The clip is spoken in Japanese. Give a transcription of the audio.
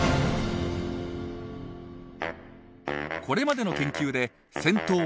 これまでの研究で先頭はメス。